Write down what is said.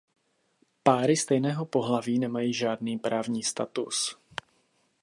Páry stejného pohlaví nemají žádný právní status.